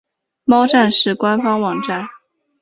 猫战士官方网站